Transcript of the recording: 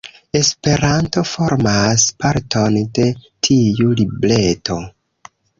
Esperanto formas parton de tiu libreto.